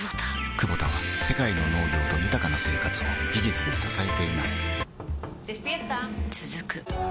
クボタは世界の農業と豊かな生活を技術で支えています起きて。